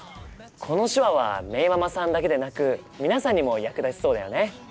この手話はめいママさんだけでなく皆さんにも役立ちそうだよね。